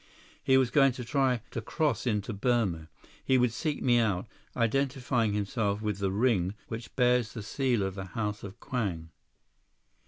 He was going to try to cross into Burma. He would seek me out, identifying himself with the ring which bears the seal of the House of Kwang."